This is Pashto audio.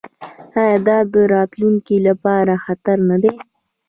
آیا دا د راتلونکي لپاره خطر نه دی؟